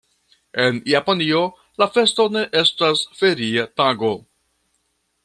En Japanio la festo ne estas feria tago.